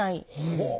ほう。